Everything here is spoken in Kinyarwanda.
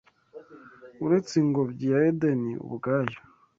Uretse Ingobyi ya Edeni ubwayo